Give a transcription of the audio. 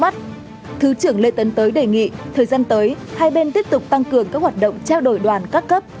thứ trưởng lê tấn tới đề nghị thời gian tới hai bên tiếp tục tăng cường các hoạt động trao đổi đoàn các cấp